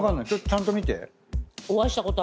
ちゃんと見て。